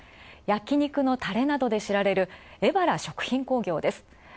焼肉のたれなどで知られる、エバラ食品工業です。